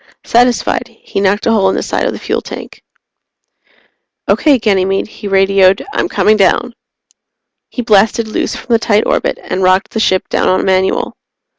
Satisfied, he knocked a hole in the side of the fuel tank. "Okay, Ganymede," he radioed. "I'm coming down." He blasted loose from the tight orbit and rocked the ship down on manual.